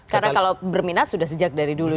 karena kalau berminat sudah sejak dari dulu